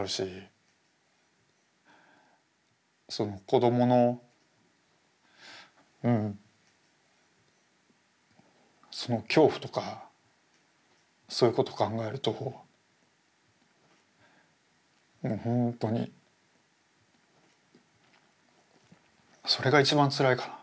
子どものその恐怖とかそういうこと考えるともうほんとにそれが一番つらいかな。